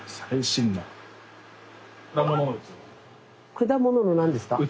果物の何ですか？